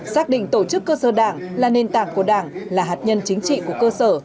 xác định tổ chức cơ sở đảng là nền tảng của đảng là hạt nhân chính trị của cơ sở